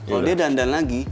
kalau dia dandan lagi